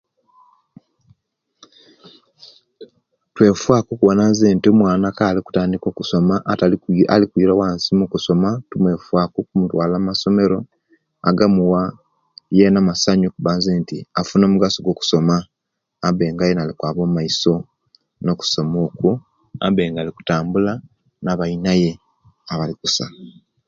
Buli muntu alina okulwanisia okubona nti nga weyasomere alina okutambulya empapula ejo okutwala muwofiisi olwo'kufunza omulimu owafuna omulimu gwiza kumuyamba okufuna ku akasente. Akasente ako kasobola okulankulanya ekitundu na'maka gona okubesya mumbera elimu